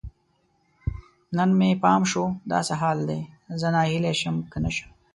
نن مې پام شو، دا څه حال دی؟ زه ناهیلی شم که نه شم